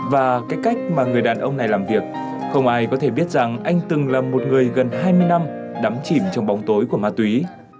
và cái cách mà người đàn ông này làm việc không ai có thể biết rằng anh từng là một người gần hai mươi năm đắm chìm trong bóng tối của ma túy